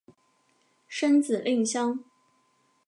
生子令香。